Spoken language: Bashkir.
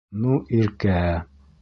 Ну, Иркә...